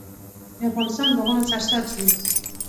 د افغانستان باغونه سرسبز دي